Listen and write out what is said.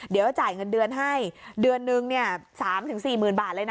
เดี๋ยวจ่ายเงินเดือนให้เดือนหนึ่งเนี้ยสามถึงสี่หมื่นบาทเลยน่ะ